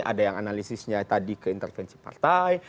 ada yang analisisnya tadi ke intervensi partai